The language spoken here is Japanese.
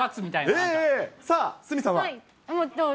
さあ、鷲見さんは。